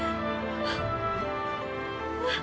あっ。